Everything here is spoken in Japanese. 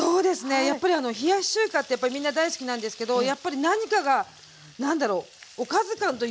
やっぱり冷やし中華ってやっぱりみんな大好きなんですけどやっぱり何かが何だろうおかず感というんですかね